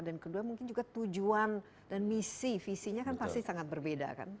kedua mungkin juga tujuan dan misi visinya kan pasti sangat berbeda kan